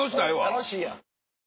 楽しいやん。